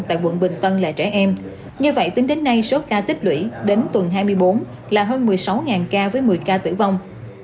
tại quận bình tân là trẻ em như vậy tính đến nay số ca tích lũy đến tuần hai mươi bốn là hơn một mươi sáu ca với một mươi ca tử vong